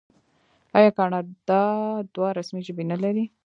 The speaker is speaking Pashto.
آیا کاناډا دوه رسمي ژبې نلري؟